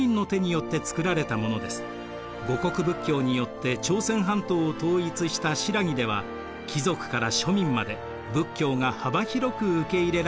護国仏教によって朝鮮半島を統一した新羅では貴族から庶民まで仏教が幅広く受け入れられていたのです。